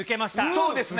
そうですね。